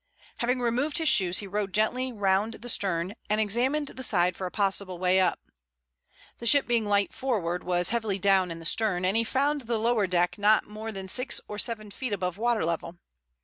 Having removed his shoes he rowed gently round the stern and examined the side for a possible way up. The ship being light forward was heavily down in the stern, and he found the lower deck was not more than six or seven feet above water level.